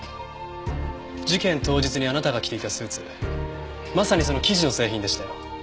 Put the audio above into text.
事件当日にあなたが着ていたスーツまさにその生地の製品でしたよ。